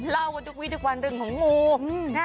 เล่ากันวิดวิจักรวรรณดึงของงู